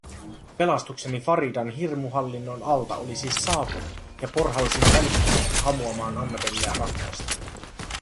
Pelastukseni Faridan hirmuhallinnon alta oli siis saapunut ja porhalsin välittömästi hamuamaan Annabelleä rattaista.